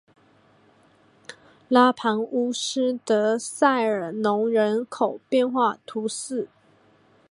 拉庞乌斯德塞尔农人口变化图示